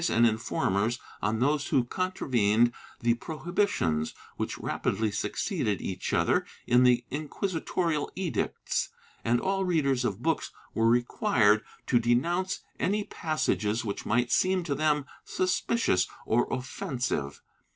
1, de copias, fol. 100, Chap. IV] CAPTIOUS EXPURGATION 491 prohibitions, which rapidly succeeded each other in the inquisi torial edicts, and all readers of books were required to denounce any passages which might seem to them suspicious or offensive.